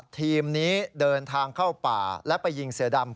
ทีมนี้เดินทางเข้าป่าและไปยิงเสือดำ